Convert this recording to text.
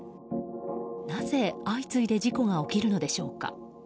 なぜ相次いで事故が起きるのでしょうか。